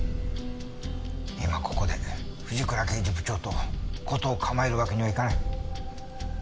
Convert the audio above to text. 今ここで藤倉刑事部長と事を構えるわけにはいかない。